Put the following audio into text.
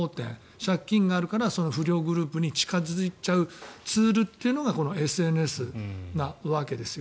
借金があるから不良グループに近付いちゃうツールというのがこのＳＮＳなわけですよ。